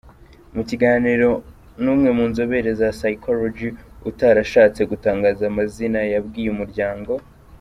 Mu kiganiro n’umwe mu nzobere za Psychology utarashatse gutangaza amazina, yabwiye Umuryango.